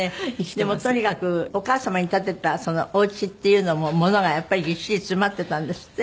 でもとにかくお母様に建てたそのお家っていうのも物がやっぱりぎっしり詰まってたんですって？